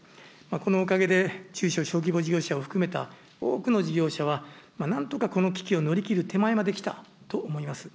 このおかげで中小・小規模事業者を含めた多くの事業者は、なんとかこの危機を乗り切る手前まできたと思います。